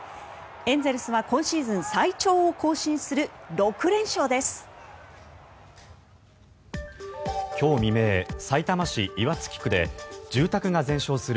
エンゼルスは今シーズン最長を更新する６連勝です。